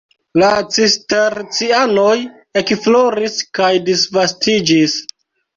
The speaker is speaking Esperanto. La Cistercianoj ekfloris kaj disvastiĝis.